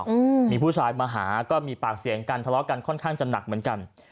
อืมมีผู้ชายมาหาก็มีปากเสียงกันทะเลาะกันค่อนข้างจะหนักเหมือนกัน